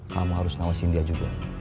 kamu harus ngawasin dia juga